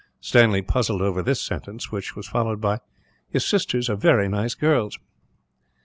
Stanley puzzled over this sentence, which was followed by: "His sisters are very nice girls."